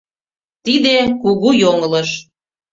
Тиде кугу йоҥылыш.